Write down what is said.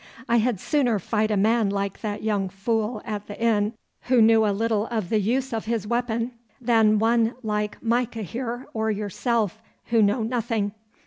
'I had sooner fight a man like that young fool at the inn, who knew a little of the use of his weapon, than one like Micah here, or yourself, who know nothing.